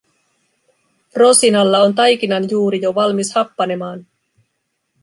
Rosinalla on taikinanjuuri jo valmis happanemaan.